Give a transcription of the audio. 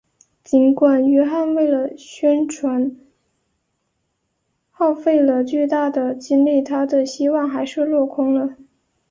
尽管约翰为了宣传耗费了巨大的精力他的希望还是落空了。